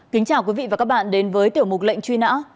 kính chào quý vị và các bạn đến với tiểu mục lệnh truy nã